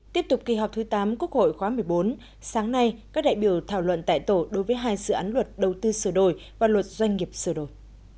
tiếp tục kỳ họp thứ tám quốc hội khóa một mươi bốn sáng nay các đại biểu thảo luận tại tổ đối với hai dự án luật đầu tư sửa đổi và luật doanh nghiệp sửa đổi